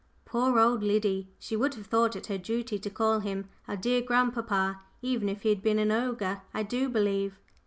Poor old Liddy she would have thought it her duty to call him our dear grandpapa even if he had been an ogre, I do believe!